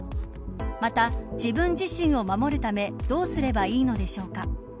また、自分自身を守るためどうすればいいのでしょうか。